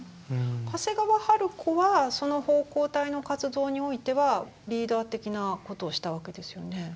長谷川春子はその奉公隊の活動においてはリーダー的なことをしたわけですよね。